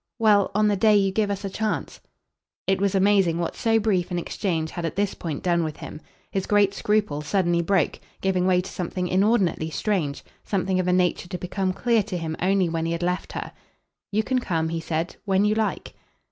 "Well, on the day you give us a chance." It was amazing what so brief an exchange had at this point done with him. His great scruple suddenly broke, giving way to something inordinately strange, something of a nature to become clear to him only when he had left her. "You can come," he said, "when you like."